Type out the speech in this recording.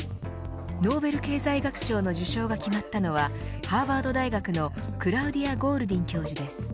ノーベル経済学賞の受賞が決まったのはハーバード大学のクラウディア・ゴールディン教授です。